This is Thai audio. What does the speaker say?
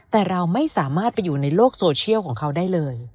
แต่เราไม่สามารถไปอยู่ในโลกโซเชียลของเขาได้เลย